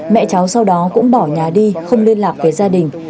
mẹ cháu sau đó cũng bỏ nhà đi không liên lạc với gia đình